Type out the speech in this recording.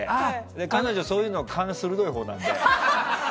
彼女はそういう勘が鋭いほうなので。